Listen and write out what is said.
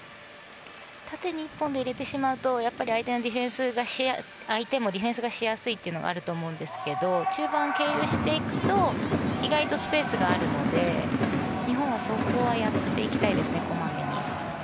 縦に１本で入れてしまうと相手もディフェンスがしやすいというのがあると思うんですけど中盤を経由していくと意外とスペースがあるので日本はそこはこまめにやっていきたいですね。